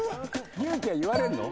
勇気は言われるの？